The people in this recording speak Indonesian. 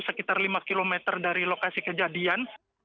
sekitar lima km dari lokasi kejadian